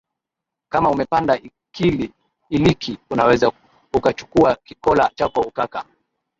kama umepanda iliki unaweza ukachukuwa kikola chako ukaka